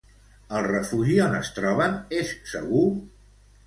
El refugi on es troben, és segur?